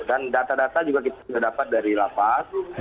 dan data data juga kita dapat dari lapas